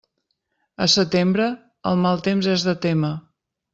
A setembre, el mal temps és de témer.